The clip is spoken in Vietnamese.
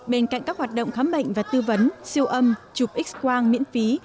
bên cạnh các hoạt động khám bệnh và tư vấn siêu âm chụp x quang miễn phí